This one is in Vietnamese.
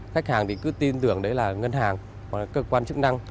khách hàng cứ tin tưởng là ngân hàng hoặc cơ quan chức năng